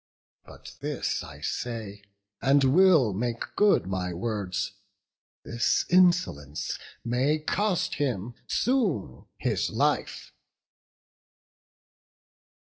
But this I say, and will make good my words, This insolence may cost him soon his life."